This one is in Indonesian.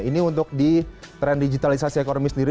ini untuk di tren digitalisasi ekonomi sendiri